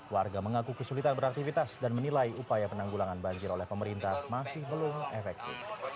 warga mengaku kesulitan beraktivitas dan menilai upaya penanggulangan banjir oleh pemerintah masih belum efektif